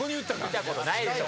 見たことないでしょ